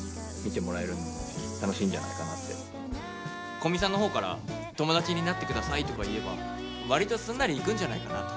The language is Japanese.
古見さんの方から「友達になって下さい」とか言えば割とすんなりいくんじゃないかなと。